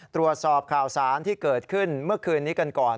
ตรวจสอบข่าวสารที่เกิดขึ้นเมื่อคืนนี้กันก่อน